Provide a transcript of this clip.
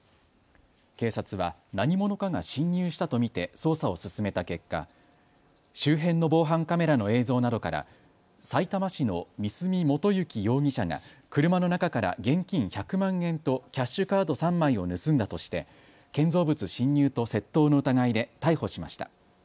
警察は何者かが侵入したと見て捜査を進めた結果、周辺の防犯カメラの映像などからさいたま市の三すみ元行容疑者が車の中から現金１００万円とキャッシュカード３枚を盗んだとして建造物侵入と窃盗の疑いで逮捕しました。